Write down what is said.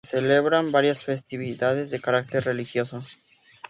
Se celebran varias festividades de carácter religioso.